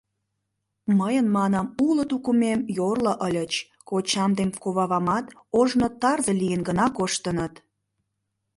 Мыйын, — манам, — уло тукымем йорло ыльыч, кочам ден кувавамат ожно тарзе лийын гына коштыныт!